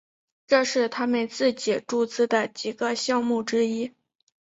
这是他们自己注资的几个项目之一。